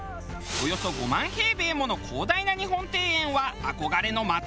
およそ５万平米もの広大な日本庭園は憧れの的。